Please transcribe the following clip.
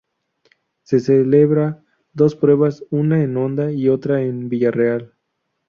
Se celebra dos pruebas una en Onda y otra en Villarreal.